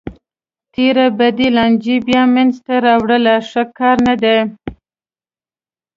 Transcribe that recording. تېرې بدې لانجې بیا منځ ته راوړل ښه کار نه دی.